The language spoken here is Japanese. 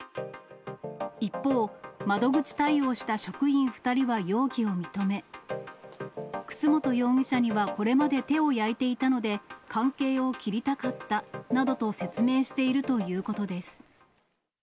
一方、窓口対応した職員２人は容疑を認め、楠本容疑者にはこれまで手を焼いていたので、関係を切りたかったなどと説明しているということです。